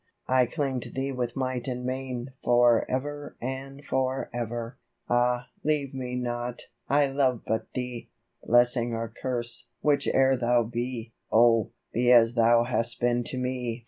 I cling to thee with might and main, For ever and for ever \ Ah, leave me not ! I love but thee ! Blessing or curse, which e'er thou be, Oh ! be as thou hast been to me.